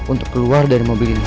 untuk keluar dari mobil ini